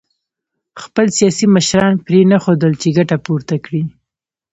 خپل سیاسي مشران پرېنښودل چې ګټه پورته کړي